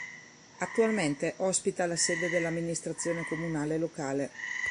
Attualmente ospita la sede dell'amministrazione comunale locale.